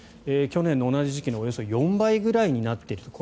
去年の同じ時期のおよそ４倍くらいになっている。